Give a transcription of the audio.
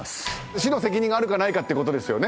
市の責任があるかないかっていうことですよね。